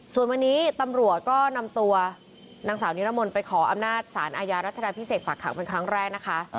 ส่วนวันนี้ตำรวจก็นำตัวนางสาวนิรมนต์ไปขออำนาจสารอาญารัชดาพิเศษฝากขังเป็นครั้งแรกนะคะ